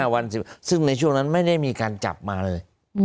วัน๑๐ซึ่งในช่วงนั้นไม่ได้มีการจับมาเลย